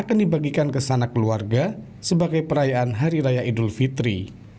akan dibagikan ke sana keluarga sebagai perayaan hari raya idul fitri